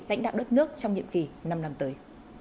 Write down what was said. lãnh đạo đất nước trong nhiệm kỳ năm năm tới